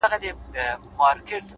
هره موخه قرباني غواړي؛